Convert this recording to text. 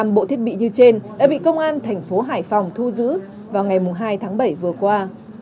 năm bộ thiết bị như trên đã bị công an thành phố hải phòng thu giữ vào ngày hai tháng bảy vừa qua